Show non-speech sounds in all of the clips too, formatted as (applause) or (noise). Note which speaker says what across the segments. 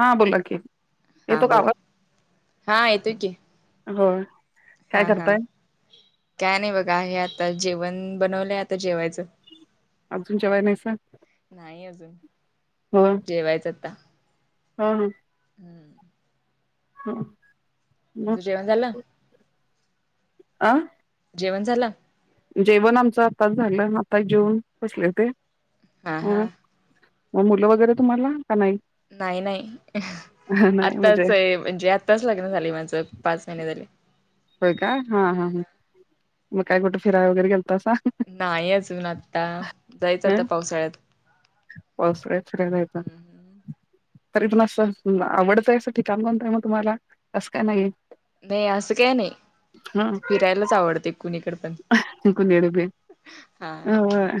Speaker 1: हा बोला की?
Speaker 2: हा
Speaker 1: येतो का
Speaker 2: बोला
Speaker 1: आवाज
Speaker 2: हा येतोय की
Speaker 1: हो.
Speaker 2: हा हा काय नाही बघा आहे आता जेवण बनवलंय आता जेवायचं.
Speaker 1: अजून जेवा्हाय नाहीसा.
Speaker 2: नाही अजून.
Speaker 1: हा.
Speaker 2: जेवायचं आता
Speaker 1: हा -हा
Speaker 2: हम्म
Speaker 1: हा. मग
Speaker 2: तुमचं जेवण झालं?
Speaker 1: आं?
Speaker 2: जेवण झालं.
Speaker 1: जेवण आमचं आताच झालं. आता जेवून बसले होते.
Speaker 2: हा
Speaker 1: अ..
Speaker 2: हा
Speaker 1: म.. मुलं वैगैरे तुम्हाला.. का नाही...
Speaker 2: नाही -नाही..
Speaker 1: नाही म्हणजे
Speaker 2: आत्ताच म्हणजे आत्ताच लग्न झालय माझं पाच महिने झाले.
Speaker 1: होय का. हा -हा हं.. मग काय कुठे फिराय वैगैरे गेलतासा...
Speaker 2: नाही अजून आता... जायचं
Speaker 1: अ
Speaker 2: आता. पावसाळ्यात.
Speaker 1: पावसाळ्यात फिराय जायच...
Speaker 2: हम्म हम्म.
Speaker 1: तरी पण असं आवडतंय असं ठिकाण कोणतय म.. तुम्हाला का तस काय नाहीए..
Speaker 2: नाही असं काय नाही. फिरायलाच आवडतय कुणीकड पण.
Speaker 1: अ हं... कुणिकड बी...
Speaker 2: हा
Speaker 1: अ...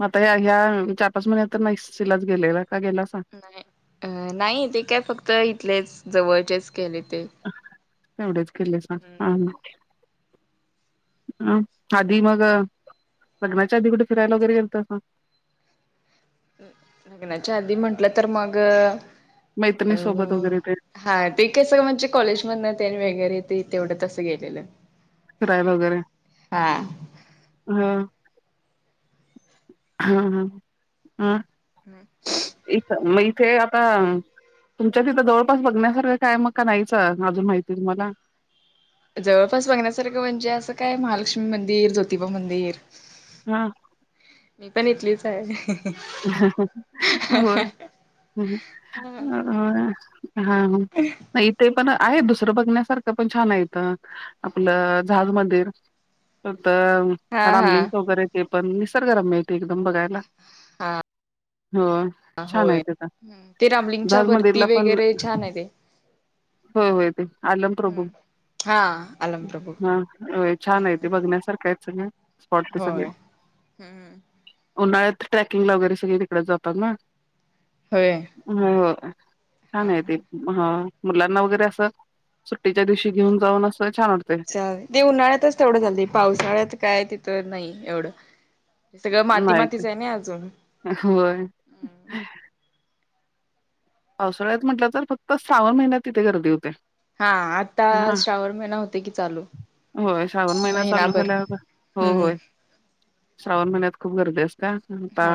Speaker 1: म... आता या ह्या-ह्या चार -पाच महिन्या तर नशिलाच गेलेल का गेलासा.
Speaker 2: नाही अ... नाही ते अ.. काय फक्त इथलेच जवळचेच केलेत.
Speaker 1: तेवढेच केले सा हा.
Speaker 2: हम्म
Speaker 1: अ.. आधी मग लग्नाच्या आधी कुठे फिरायला वैगैरे गेलतासा....
Speaker 2: लग्नाच्या आधी म्हटलं तर मग अ...
Speaker 1: मैत्रिणीसोबत वैगैरे भेट.
Speaker 2: हा ते कसं म्हणजे कॉलेजमध ते न आणि वगैरे ते तेवढं तसं गेलेलं.
Speaker 1: फिरायला वैगैरे.....
Speaker 2: हा.
Speaker 1: हा..... हा... हा.... अ....
Speaker 2: हम्...
Speaker 1: इथ म.. इथे आता.. तुमच्यात तिथं जवळपास बघण्यासारखं काय मग का नाहीचं अजून माहिती तुम्हाला.
Speaker 2: जवळपास बघण्यासारखं म्हणजे असं काय महालक्ष्मी मंदिर ज्योतिबा मंदिर.
Speaker 1: हा...
Speaker 2: मी पण इथलीच आहे.
Speaker 1: ह.. हा.... हा... नाही इथे पण.. आहे दुसरं बघण्यासारखं पण छान आहे. इथ आपलं.. झाज मंदिर. हो तर
Speaker 2: हा हा
Speaker 1: रामलिंग वैगैरे ते पण निसर्गरम्य आहे ते एकदम बघायला.
Speaker 2: हा..
Speaker 1: हो छान आहे
Speaker 2: होय.
Speaker 1: तिथं
Speaker 2: ते रामलिंगच्या
Speaker 1: जहाज
Speaker 2: वरती
Speaker 1: मंदिरला पण
Speaker 2: वैगैरे छान आहे ते.
Speaker 1: होय-. होय ते आलम प्रभू.
Speaker 2: हा.... अ...
Speaker 1: हा छान आहे ते बघण्यासारखा आहे सगळं. स्पॉट ते सगळे...
Speaker 2: होय हम्म
Speaker 1: उन्हाळ्यात ट्रॅकिंग ला वैगैरे सगळे तिकडेच जातात ना...
Speaker 2: होय.
Speaker 1: हो -हो छान
Speaker 2: हा
Speaker 1: आहे.
Speaker 2: हा
Speaker 1: ते. हा.. मुलांना वैगैरे असं सुट्टीच्या दिवशी घेऊन जाऊन असं. छान वाटतय.
Speaker 2: ती उन्हाळ्यातच तेवढं जाती पावसाळ्यात काय तिथं नाही एवढं. सगळं माती
Speaker 1: नाही ते
Speaker 2: -मातीच आहे नाय. अजून.
Speaker 1: होय.. पावसाळ्यात म्हटलं तर फक्त श्रावन महिन्यात तिथे गर्दी होत्या..
Speaker 2: हा आता... श्रावण महिना होतोय की चालू..
Speaker 1: होय श्रावण महिना चालू
Speaker 2: महिनाभर
Speaker 1: झाल्यावर हो..
Speaker 2: हम्म
Speaker 1: होय. श्रावण महिन्यात खूप गर्दी असत्या... आता..
Speaker 2: हा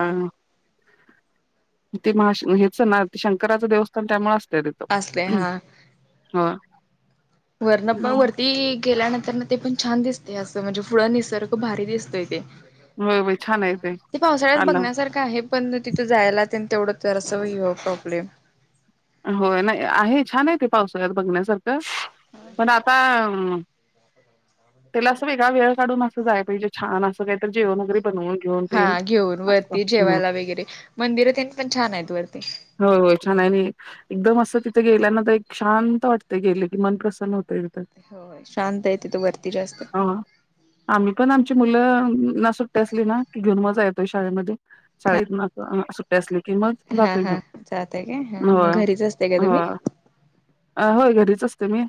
Speaker 1: ते.. महा.. हेच ना... शंकराचं देवस्थान त्यामुळे.. अस..
Speaker 2: असले हा
Speaker 1: (inaudible) होय..
Speaker 2: वरण पण वरती.... गेल्या नंतर न.. ते पण छान दिसते असं म्हणजे फुळ निसर्ग भारी दिसतोय ते.
Speaker 1: होय होय छान आहे
Speaker 2: ह ते पावसाळ्यात
Speaker 1: आलं
Speaker 2: बघण्यासारखं- काय पण तिथं जायला त्यां तेवढं तर असं वई प्रॉब्लेम.
Speaker 1: होय नाही आहे छान आहे ते पावसाळ्यात बघण्यासारखं पण आता त्याला अस वेगळा वेळ काढून असं जाय पाहिजे छान असं काही तर जेवण वगैरे बणवून घेऊन.
Speaker 2: हा
Speaker 1: तेन
Speaker 2: घेऊन
Speaker 1: असं
Speaker 2: वरती
Speaker 1: हम्म
Speaker 2: जेवायला वगैरे मंदिर त्यांनी पण छान आहेत वरती.
Speaker 1: हो होय छान आहे आणि एकदम असं तिथे गेल्याना तर एक शांत वाटते गेले की मन प्रसन्न होत.
Speaker 2: हो शांत आहे तिथ वरती जास्त
Speaker 1: हा आम्ही पण आमची मुलं ना सुट्टते असली ना की घेऊन मजा येतोय शाळेमध्ये
Speaker 2: हा
Speaker 1: शाळेत. सुट्टे असले की मग
Speaker 2: हा
Speaker 1: जातोय
Speaker 2: हा
Speaker 1: घेवून.
Speaker 2: जातय का ह मग घरीच असतेय का? तुम्ही.
Speaker 1: होय अ होय घरीच असते मी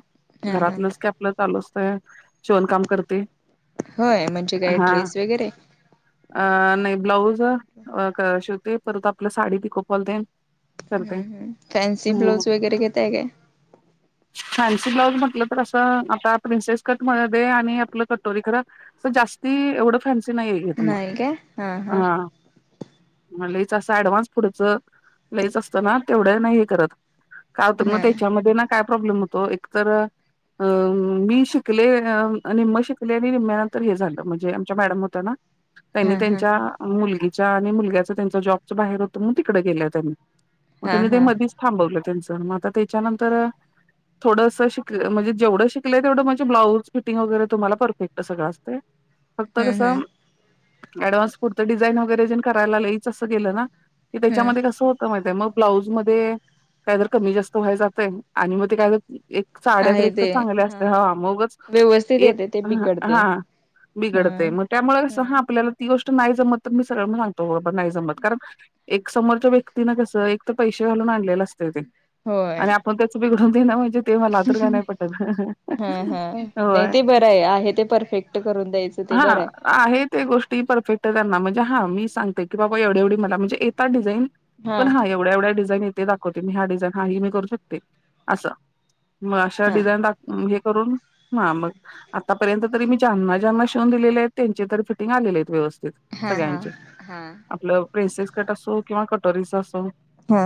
Speaker 2: हा हा
Speaker 1: घरातलंच का आपलं. चालू असतय शिवण काम करते.
Speaker 2: होय म्हणजे काय
Speaker 1: हा
Speaker 2: ड्रेस वगैरे.
Speaker 1: अ नाही ब्लाऊज शिवते परत आपल्या साडी पिको फॉल तेन.
Speaker 2: ह्
Speaker 1: करते.
Speaker 2: ह फॅन्सी ब्लाऊज वगैरे घता आहे काय?
Speaker 1: फॅन्सी ब्लाउज म्हटलं तर असं आता प्रिन्सेस कट मध्ये आणि आपलं कटोरी खरं- स जास्ती एवढं फॅन्सी नाही आहे घ तुला हा. म लईच असं ऍडव्हान्स पुढच लईच असतं ना तेवढं नाही करत. काय होत मग
Speaker 2: हा
Speaker 1: त्याच्यामध्ये ना काय प्रॉब्लेम होतो एक तर- अ मी शिकले निम्म शिकले आणि निम्म्यानंतर हे झालं म्हणजे आमच्या मॅडम होत ना. त्यांनी
Speaker 2: हा हा
Speaker 1: त्यांच्या मुलगीच्या आणि मुलग्याच त्यांच्या जॉबच बाहेर होत मग तिकडे गेलं त्यांनी. मग
Speaker 2: हा
Speaker 1: त्यांनी ते
Speaker 2: हा
Speaker 1: मधीच थांबवलं त्यांचं मग आता त्याच्यानंतर- थोडंसं शिक म्हणजे जेवढं शिकलंय तेवढं म्हणजे ब्लाउज फिटिंग वगैरे तुम्हा परफेक्ट सगळं असते. फक्त
Speaker 2: हम्म
Speaker 1: कस
Speaker 2: हम्म
Speaker 1: ऍडव्हान्स पुरत डिझाईन वगैरे ज करायला लईच असं गेलं ना. की
Speaker 2: हम्म
Speaker 1: त्याच्यामध्ये कसं होतं माहिय मग- ब्लाऊज मध्ये काय जर कमी जास्त व्हाय जातय आणि मग ते काय ज साड्यात
Speaker 2: आहे
Speaker 1: रेख तर
Speaker 2: ते
Speaker 1: चांगले असते हा मगच
Speaker 2: व्यवस्थित
Speaker 1: एक
Speaker 2: येते ते बिघडते
Speaker 1: हा. बिघडत
Speaker 2: हम्म
Speaker 1: आहे मग त्यामुळे कसं हा
Speaker 2: हम्म
Speaker 1: आपल्याला- ती गोष्ट नाही जमत तर मी सगळ्यां सांगतो बरोर नाही जमत कारण एक समोरच्या व्यक्ती ना कसं एक- तर पैसे घालून आणले असते ते.
Speaker 2: होय.
Speaker 1: मग त्याच बघडून दे ना म्हहिजे.
Speaker 2: हा हा नाही
Speaker 1: होय.
Speaker 2: ते बरं आहे आहे ते परफेक्ट- करून द्यायचं ते बरं
Speaker 1: हां
Speaker 2: आहे.
Speaker 1: आहे ते गोष्टी परफेक्ट आहे त्यांना म्हणजे हां मी सांगते की बाबा एवढे एवढी मला म्हणजेेतता डिझाईन. पण हा एवढ्या एवढ्या डिझाईन येते दाखवते मी हा डिझाईन हा ह मी करू शकते असं. मग अशा
Speaker 2: हा
Speaker 1: डिझाईन टा हे करून ह मग. आतापर्यंत तरी मी ज्यांना ज्यांना शिवून दिले आहेत त्यांचे तररी फिटिंग आलेले आहेत व्यवस्थित.
Speaker 2: हा हा हा
Speaker 1: सगळ्यांचे
Speaker 2: हा
Speaker 1: आपलं प्रिनसेस कट असो किंवा कटोरीच असो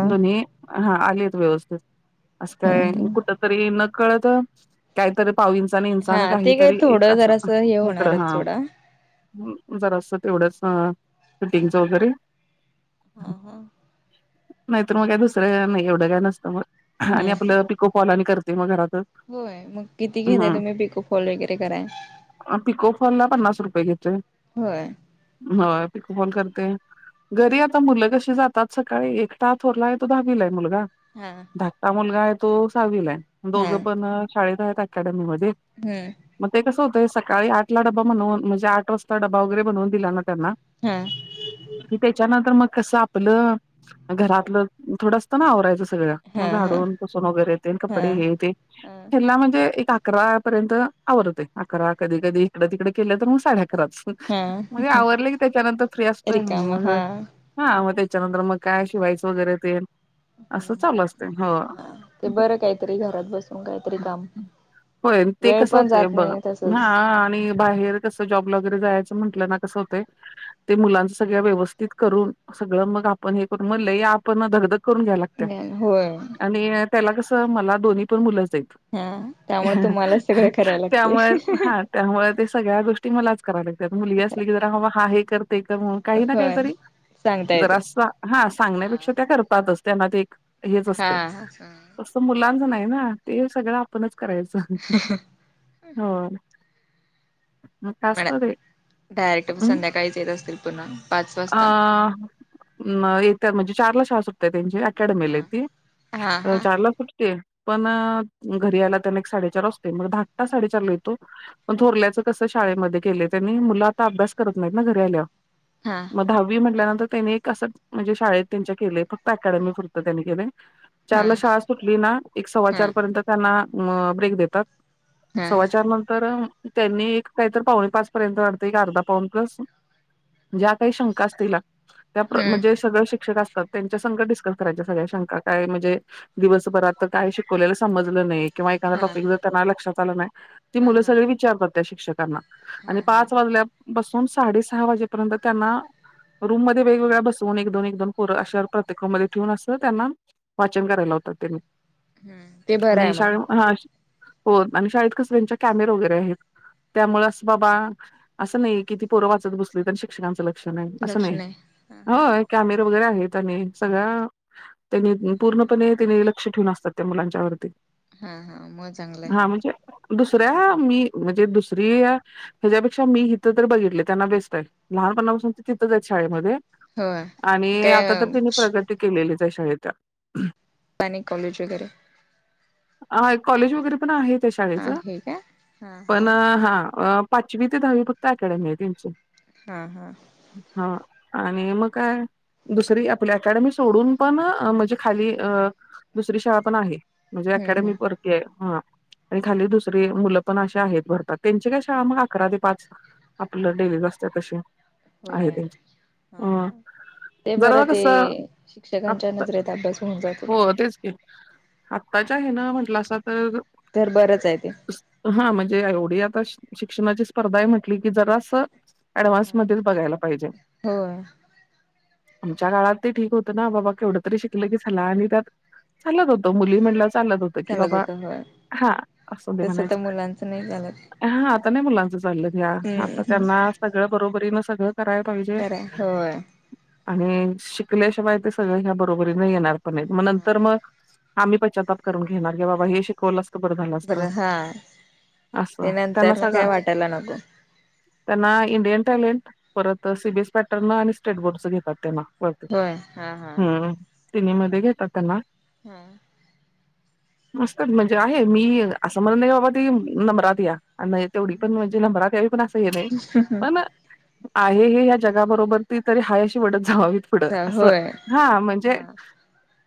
Speaker 1: दोन्ही हा आलीत व्यवस्थित असं
Speaker 2: हा
Speaker 1: काय
Speaker 2: हा
Speaker 1: कुठं तरी नकळत- काहीतरी पाऊंचा आणि
Speaker 2: हा
Speaker 1: इंचान
Speaker 2: ते काय
Speaker 1: काहीतरी एक
Speaker 2: थोडं
Speaker 1: असं
Speaker 2: जरासं हे
Speaker 1: इकडं
Speaker 2: होणारच
Speaker 1: हा.
Speaker 2: सोडा
Speaker 1: जरा असत तेवढंच फीटिंगच
Speaker 2: हा
Speaker 1: वगैरे.
Speaker 2: हा हा.
Speaker 1: नाहीतर मग काय दुसरं नाही एवढं काय नसतं मग आणि
Speaker 2: हम्म
Speaker 1: आपलं पिको फॉल आणि करते मग घरातच.
Speaker 2: होय, मग किती घेताय
Speaker 1: ह
Speaker 2: तुम्ही पक फॉल वगैरे कराय?
Speaker 1: पिकोफॉल ला पन्नास रुपये घेतोय.
Speaker 2: होय.
Speaker 1: होय, पिकोफॉल करते घरी आता मुलं कशी जातात काय एकटा थोरला आहे तो दहावीला आहे मुलगा.
Speaker 2: हा
Speaker 1: धाकटा मुलगा आहे तो साहविला आहे
Speaker 2: हा
Speaker 1: दोघं पण शाळेत आहेत अकॅडमी मध्ये
Speaker 2: हम्म
Speaker 1: मग ते कसं होतं सकाळी आठला डबा बनवून म्हणजे आठ वाजता डबा वगैरे बनवून दिला ना त्यांना
Speaker 2: हम्म
Speaker 1: कि त्याच्यानंतर मग कसं आपलं घरातलं थोडस ना आवरायचं सगळं
Speaker 2: हा
Speaker 1: मग
Speaker 2: हा
Speaker 1: झाडून पुसून वगैरेे ते कपडे
Speaker 2: हा.
Speaker 1: हे ते
Speaker 2: हा
Speaker 1: ह्याला म्हणजे एक अकरा पर्यंत आवरतेय अकरा कधी- कधी इकडे- तिकडे केले तर मग साडे अकराच. म्हणजे
Speaker 2: हा
Speaker 1: आवरलं की त्याच्यानंतर फ्री असतोय,
Speaker 2: रिकाम
Speaker 1: मग
Speaker 2: हा
Speaker 1: हा मग त्याच्यानंतर मग काय शिवायचं वगैरे तेन
Speaker 2: (inaudible) हा ते बरं काहीतरी घरात बसून काहीतरी काम
Speaker 1: होय, ते
Speaker 2: वेळ
Speaker 1: कसं
Speaker 2: पण
Speaker 1: होतय
Speaker 2: जात
Speaker 1: बघ
Speaker 2: नाही
Speaker 1: हा
Speaker 2: तसच
Speaker 1: आणि बाहेर कसं जॉबला वगैरे जायचं म्हटलं ना कसं होतेय ते मुलांच सगळ व्यवस्थित करून सगळं मग आपण हे करून मगलय आपण धगधग करून घ्यायला लागतेय.
Speaker 2: (unintelligible) होय
Speaker 1: आणि त्याला कसं मला दोन्ही पण मुलंच आहेत.
Speaker 2: हा त्यामुळे तुम्हालाच सगळं
Speaker 1: (unintelligible)
Speaker 2: करायला लागते
Speaker 1: त्यामुळे हा त्यामुळे ते सगळ्या गोष्टी मलाच करावे लागतात मुलगी असली की जराबा हा हे कर ते कर म्हणून काही ना
Speaker 2: होय
Speaker 1: काहीतरी
Speaker 2: सांगता येते
Speaker 1: जरासा हा सांगण्यापेक्षा त्या करतातच त्याना ते एक हेच असतेय.
Speaker 2: हा
Speaker 1: तसं मुलांचं नाही ना ते सगळं आपणच करायचं हं हं होय,
Speaker 2: मॅड डायरेक्ट संध्याकाळीच येत असतील पुन्हा पाच
Speaker 1: (unintelligible)
Speaker 2: वाजता
Speaker 1: आ न येता म्हणजे चारला शाळा सुटते त्यांची अकॅडमीला आहे
Speaker 2: हा
Speaker 1: ती
Speaker 2: हा
Speaker 1: अ
Speaker 2: हा
Speaker 1: चार ला सुटते. पण घरी यायला त्याना एक साडेचार वाजते मग धाकटा साडेचारला येतो. पण थोरल्यायचं कस शाळेमध्ये केले त्यांनी मुलं आता अभ्यास करत नाहीत ना घरी आल्यावर
Speaker 2: हा.
Speaker 1: मग दहावी म्हटल्यानंतर त्यांनी अस म्हणजे शाळेत त्यांच्या केलेय फक्त अकॅडमी पुरतं त्यांनी केलेय. चार
Speaker 2: हा
Speaker 1: ला शाळा सुटली ना एक सव्वा चार
Speaker 2: हा
Speaker 1: पर्यंत त्यांना अ ब्रेक देतात.
Speaker 2: हा
Speaker 1: सव्वा चार नंतर त्यांनी एक काहीतर पाहुणे पाच पर्यंत वाटतं एक अर्धा पाऊण तास ज्या काही शंका असतीला त्या
Speaker 2: हा
Speaker 1: म्हणजे सगळं शिक्षक असतात, त्यांच्यासंघ डिस्कस करायच्या सगळ्या शंका काय म्हणजे दिवसभरात तर काय शिकवलेलं समजलं नाही किंवा एखादा
Speaker 2: हा
Speaker 1: टॉपिक जर त्यांना लक्षात आलं नाही ती
Speaker 2: हा
Speaker 1: मुलं
Speaker 2: हा
Speaker 1: सगळी विचारतात त्या शिक्षकांना.
Speaker 2: हा
Speaker 1: आणि
Speaker 2: हा
Speaker 1: पाच वाजल्या पासून साडे सहा वाजेपर्यंत त्यांना रूम वेगवेगळ्या बसून एक -दोन, एक-दोन पोरं अशा प्रत्येक रूम मध्ये ठेवून असं त्यांना वाचन करायला लावतात त्यांनी
Speaker 2: हम्म ते
Speaker 1: आणि
Speaker 2: बरंय मग
Speaker 1: शाळे हा हो आणि शाळेत कसं त्यांच्या कॅमेरे वगैरे आहेत. त्यामुळे असं बाबा! असं नाही कि ती पोरं वाचत बसली, तर शिक्षकांचं लक्ष नाही असं नाही होय कॅमेरे वगैरे आहेत, सगळ्या त्यांनी पूर्णपणे, लक्ष ठेवून असतात. त्या मुलांच्या वरती
Speaker 2: हां! हां! ! मग चांगलं आहे.
Speaker 1: हा म्हणजे दुसऱ्या मी, म्हणजे दुसरी आ! ! हच्यापेक्षा मी हिथं! तर बघितले त्यांना बेस्ट आहे, लहानपणापासून ते तिथंच आहेत शाळेमध्ये आणि
Speaker 2: हो
Speaker 1: आता तर तिने
Speaker 2: काय
Speaker 1: प्रगती, केलेली त्या शाळेत
Speaker 2: आणि कॉलेज वगैरे?
Speaker 1: हा कॉलेज वगैरे पण आहे! ! शाळेच
Speaker 2: आहे का हा हा
Speaker 1: पण हा! पाचवी ते दहावी फक्त अकडमी आहे तची
Speaker 2: हा! हा! !
Speaker 1: हा! ! आणि मग काय दुसरी आपली, अकॅडमी सोडून पण म्हणजे खाली अ दुसरी शाळा पण आहे, म्हणजे
Speaker 2: हम्म
Speaker 1: अकॅडमी
Speaker 2: हम्
Speaker 1: परत हा आणि खाली दुसरी मुलं पण अशी आहेत, बरका? भरतात त्यांची काय शाळा मग अकरा ते पाच आपलं लिहिलेलं असतेय तशी आहे
Speaker 2: होय
Speaker 1: त्यांची
Speaker 2: हा!
Speaker 1: अ
Speaker 2: हा! ते बरं!
Speaker 1: जरा !
Speaker 2: ते
Speaker 1: कसं
Speaker 2: शिक्षकांच्या
Speaker 1: आत्ता
Speaker 2: नजरेत अभ्यास होऊन जातो.
Speaker 1: हो तेच आत्ताच्या हे ना म्हंटलं असा तर
Speaker 2: तर बरंच आहे ते
Speaker 1: हा! म्हणजे एवढी आता शिक्षणाची स्पर्धा म्हटली की, जरा असं ऍडव्हान्स मध्ये बघायला पाहिजे
Speaker 2: हो! !
Speaker 1: आमच्या काळात ते ठीक होतं ना? बाबा! केवढं तरी शिकलं की झाला आणि त्या चालत होत मुली म्हणलं चालत होतं. की
Speaker 2: चालत
Speaker 1: बाबा
Speaker 2: होत होय
Speaker 1: हा! असं ते
Speaker 2: तसं तर
Speaker 1: म्हणायचं!
Speaker 2: मुलांचं नाही चालत !
Speaker 1: हा आता नाही मुलांचं चाललं घ्या आता
Speaker 2: हम्म हम्
Speaker 1: त्यांना सगळं बरोबरीन सगळं करायला पाहिजे
Speaker 2: हो य!
Speaker 1: आणि शिकल्याशिवाय ते सगळ ह्या बरोबरी नाही येणार पण मग नंतर मग आम्ही प्चातप करूनेणार का बाबा हे शिकवल बर झालं असत! अस
Speaker 2: ते
Speaker 1: त्यांना
Speaker 2: नंतर ना
Speaker 1: सगळ!
Speaker 2: काय वाटायला नको
Speaker 1: त्यांना इंडियन टॅलेंट परत सीबीएस पॅटर्न आणि स्टेट बोर्डच घेतात त्यांना बत
Speaker 2: होय हा हा
Speaker 1: हम्म सने मध्ये घेतातना?
Speaker 2: हा! !
Speaker 1: मस्तच म्हणजे आहे मी असं म्हणत नाही बाबा! ती नंबरात या आणि तेवढी पण म्हणजे नंबरा पण अस हे! नाही पण आहे. जगाबरोबर ती तरी हाय अशी वडत जामावी पुढं अस
Speaker 2: होय
Speaker 1: हा म्हणजे,
Speaker 2: हा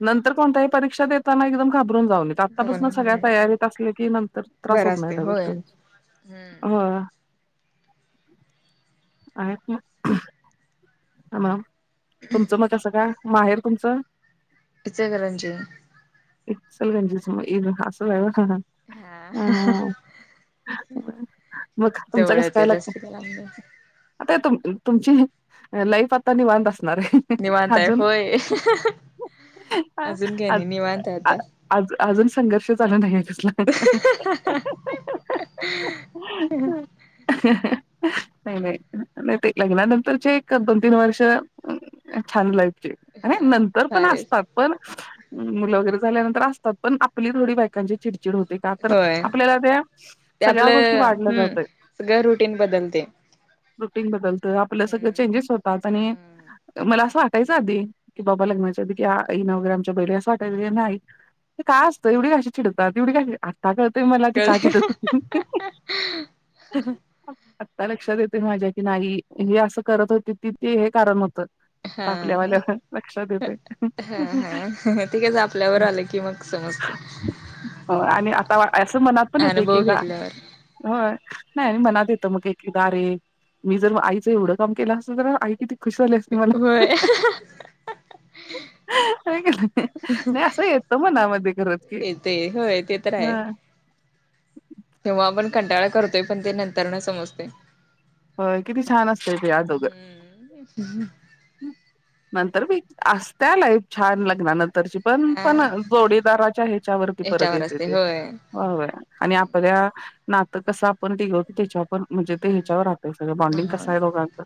Speaker 1: नंतर कोणत्याही परीक्षा देताना एकदम खाबर जाऊ आतापासून सगळ्या तयारीत असल्या की नंतर त्रास
Speaker 2: बर
Speaker 1: होत नाही
Speaker 2: असते
Speaker 1: त्या
Speaker 2: होय
Speaker 1: गोष्टी हा अ! ! ह म तुमचं मग कसं का माहेर तुमचं!
Speaker 2: इथे करणजी
Speaker 1: सलगंजी सम असल! !
Speaker 2: हा
Speaker 1: मग तुमचं कसं
Speaker 2: तेवढत
Speaker 1: काय लागत
Speaker 2: जास्त त्याला! !
Speaker 1: आता तुम तुमची लाईफ आता! निवांध असणार आहे.
Speaker 2: निवांताय
Speaker 1: अजून
Speaker 2: होय
Speaker 1: आज
Speaker 2: अजून काय?
Speaker 1: आ
Speaker 2: नाही निवांतय
Speaker 1: आ-
Speaker 2: आता!
Speaker 1: आज अजून संघर्ष झाला नाहीये कसला
Speaker 2: (unintelligible)
Speaker 1: नाही नाही नाही ते लग्नातच नंतरचे एक दोन तीन वर्ष छान लाईफचे आणि
Speaker 2: हा
Speaker 1: नंतर पण
Speaker 2: भारी
Speaker 1: असतात. पण मुलं वगैरे झाल्यानंतर असतात पण आपली थोडी बायकांची चिड चिड होते का तर
Speaker 2: होय
Speaker 1: आपल्याला त्या
Speaker 2: ते
Speaker 1: सगळ्या गोष्टी
Speaker 2: आपलं
Speaker 1: वाढल्या
Speaker 2: हम्म
Speaker 1: जातय.
Speaker 2: सगळं रुटीन बदलते
Speaker 1: रुटीन बदलत आपल्या सगळं
Speaker 2: हम्म
Speaker 1: चेंजेस होतात आणि
Speaker 2: हम्म
Speaker 1: मला असं वाटायचं आधी कि बाबा लग्नाच्या आधी की नवरे यांचे बैल असं वाटायच नाही. ते काय असतं एवढी कशी चिडतात एवढी कशी आता कळतय मला ती का चिडत होती. आत्ता लक्षात येतेय माझ्या की नाही हे असं करत होती ती ते हे कारण होतं.
Speaker 2: हा
Speaker 1: आता
Speaker 2: हा
Speaker 1: आपल्यावाल्या लक्षात येतंय.
Speaker 2: हा हा ते कसं आपल्यावर आलं की मग समजतं.
Speaker 1: हो आणि आता असं मनात पण येतंय की
Speaker 2: अनुभव
Speaker 1: एकेकदा
Speaker 2: घेतल्यावर
Speaker 1: होय नाही मी मनात येतय मग एकेकदा अरे मी जर मग एव एवढं काम केलं असत तर आई किती खुश झाली असती मला
Speaker 2: होय
Speaker 1: होय का नाही. नाही असं येत मनामध्ये खरंच की
Speaker 2: येते होय ते तर आहे
Speaker 1: हा
Speaker 2: तेव्हा आपण कंटाळा करतोय पण ते नंतरन समजतय‌.
Speaker 1: होय किती छान असतय ते आदोगर
Speaker 2: हम्म
Speaker 1: नंतर बी असत्या लई छान लग्नानंतर तशी पण
Speaker 2: हा
Speaker 1: पण जोडीदाराच्या ह्याच्यावरती परत
Speaker 2: याच्यावर
Speaker 1: येतंय
Speaker 2: असते
Speaker 1: ते
Speaker 2: होय
Speaker 1: होय आणि आपल्या नातं कसं आपण टिगवतोय त्याच्या पण म्हणजे ते ह्याच्यावर
Speaker 2: हम्म
Speaker 1: हे सगळं बॉन्डिंग
Speaker 2: हा
Speaker 1: कसं आहे दोघांचं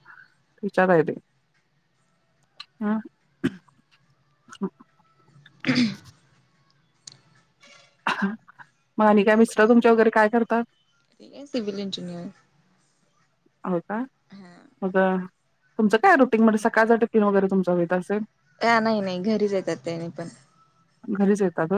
Speaker 1: याच्यावर आहे ते ह
Speaker 2: हम्म
Speaker 1: मग आणि काय
Speaker 2: मी
Speaker 1: मिस्टर तुमचे वगैरे काय करतात
Speaker 2: आहे सिविल इंजिनियर
Speaker 1: हो का मग तुमचं काय रुटीन मध्ये सकाळचा टिफिन वगैरे तुमचा होईत असेल.
Speaker 2: हा नाही नाही घरीच येतात त्यानी पण
Speaker 1: घरीच येतात होय.